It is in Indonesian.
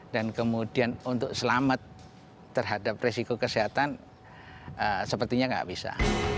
dan kemudian untuk selamat terhadap risiko kesehatan sepertinya nggak bisa